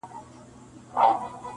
اوس معلومه سوه چي دا سړی پر حق دی,